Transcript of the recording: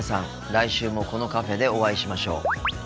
来週もこのカフェでお会いしましょう。